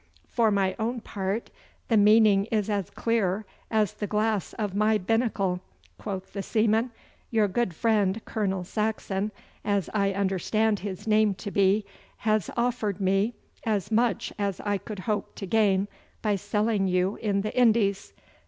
'For my own part, the meaning is as clear as the glass of my binnacle,' quoth the seaman. 'Your good friend Colonel Saxon, as I understand his name to be, has offered me as much as I could hope to gain by selling you in the Indies.